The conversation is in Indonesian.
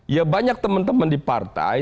ya banyak teman teman di partai